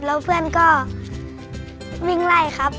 แล้วเพื่อนก็วิ่งไล่ครับ